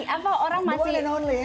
apa orang masih